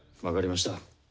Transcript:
分かりました。